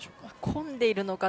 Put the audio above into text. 混んでいるのか。